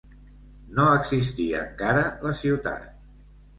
No existia encara la ciutat.